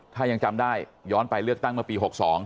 ถ้ายังจำได้ย้อนไปเลือกตั้งเมื่อปี๖๒